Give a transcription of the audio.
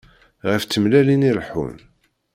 Ɣef tmellalin i leḥun.